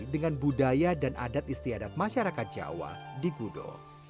dengan budaya dan adat istiadat masyarakat jawa di gudo